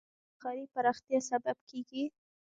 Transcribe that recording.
منی د افغانستان د ښاري پراختیا سبب کېږي.